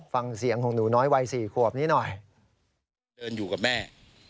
ฟังเสียงของหนูน้อยวัย๔ขวบนี้หน่อยเดินอยู่กับแม่